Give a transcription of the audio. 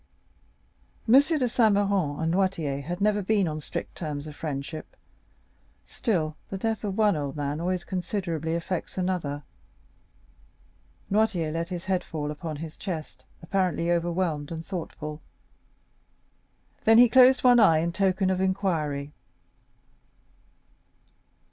M. de Saint Méran and Noirtier had never been on strict terms of friendship; still, the death of one old man always considerably affects another. Noirtier let his head fall upon his chest, apparently overwhelmed and thoughtful; then he closed one eye, in token of inquiry.